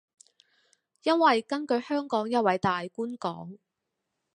因為根據香港一位大官講